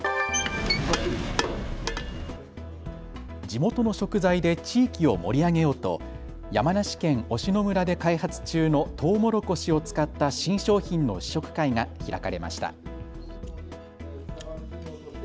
地元の食材で地域を盛り上げようと山梨県忍野村で開発中のとうもろこしを使った新商品の試食会が開かれました。